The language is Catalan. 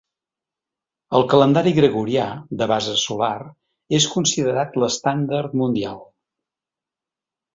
El calendari gregorià, de base solar, és considerat l’estàndard mundial.